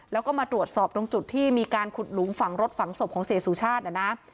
แล้วก็มาตรวจสอบตรงจุดที่มีการขุดหลุมฝังรถฝังศพของเสียสุชาตินะนะ